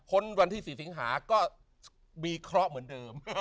วันที่๔สิงหาก็วิเคราะห์เหมือนเดิม